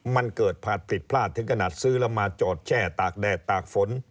มันเกิดผิดพลาดถึงขนาดซื้อแล้วมาจอดแช่ตากแดดตากฝน